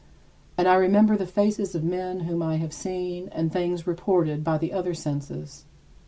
And I remember the faces of men whom I have seen and things reported by the other senses.